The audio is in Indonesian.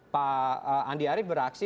pak andi arief bereaksi